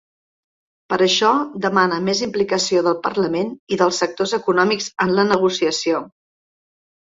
Per això demana més implicació del parlament i dels sectors econòmics en la negociació.